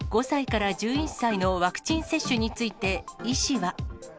５歳から１１歳のワクチン接種について、医師は。